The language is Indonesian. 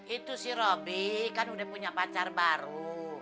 itu si roby kan udah punya pacar baru